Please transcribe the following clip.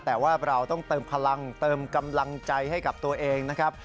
แต่ว่าเราต้องเติมพลังเติมกำลังใจให้กับตัวเองนะครับ